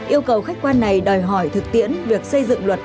yêu cầu khách quan này đòi hỏi thực tiễn việc xây dựng luật